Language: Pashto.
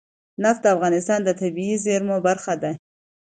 نفت د افغانستان د طبیعي زیرمو برخه ده.